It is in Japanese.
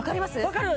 分かる！